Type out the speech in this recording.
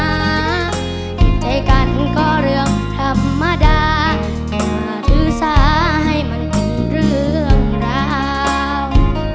ใจกันก็เรื่องธรรมดาอย่าถือสาให้มันเป็นเรื่องราว